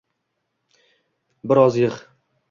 - Bir oz yig'.